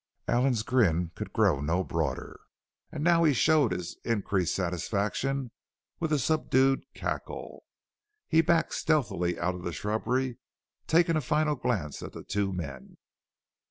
Allen's grin could grow no broader, and now he showed his increased satisfaction with a subdued cackle. He backed stealthily out of the shrubbery, taking a final glance at the two men.